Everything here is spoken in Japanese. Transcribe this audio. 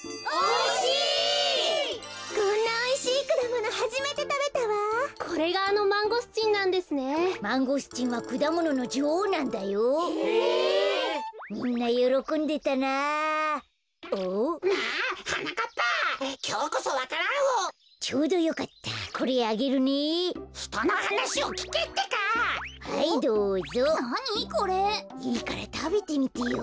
いいからたべてみてよ。